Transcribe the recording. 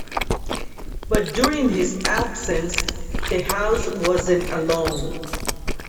But during his absence, the house wasn't alone.